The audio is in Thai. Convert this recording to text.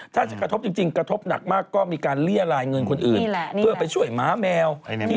ถ้าจะกระทบจริงกระทบหนักมากก็มีการเรียรายเงินคนอื่นเพื่อไปช่วยหมาแมว